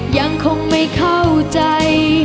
ยังคงไม่เข้าใจ